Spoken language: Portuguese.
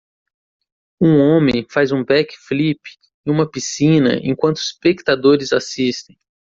Um homem faz um back flip em uma piscina enquanto os espectadores assistem.